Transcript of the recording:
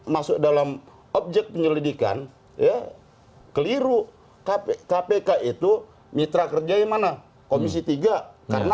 masuk dalam objek penyelidikan ya keliru kpk itu mitra kerja yang mana komisi tiga karena